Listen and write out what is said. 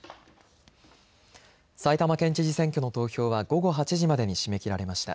埼玉県知事選挙の投票は午後８時までに締め切られました。